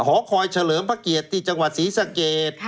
หอคอยเฉลิมพระเกรียดจังหวัดศรีสเกษ